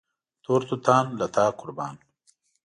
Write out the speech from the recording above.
تور توتان له تا قربان